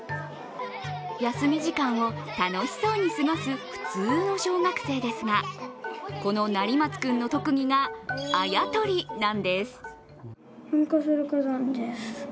休み時間を楽しそうに過ごす普通の小学生ですがこの成松君の特技があやとりなんです。